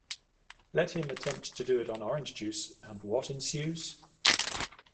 Let him attempt to do it on orange juice, and what ensues?